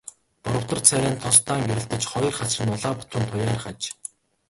Боровтор царай нь тос даан гэрэлтэж, хоёр хацар нь улаа бутран туяарах аж.